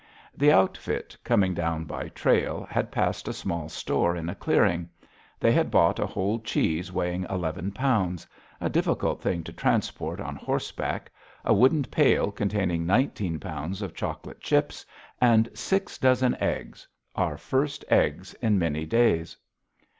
The outfit, coming down by trail, had passed a small store in a clearing. They had bought a whole cheese weighing eleven pounds, a difficult thing to transport on horseback, a wooden pail containing nineteen pounds of chocolate chips, and six dozen eggs our first eggs in many days.